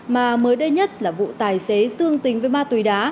mà mới đây nhất là vụ tài xế xương tính với ma tùy đá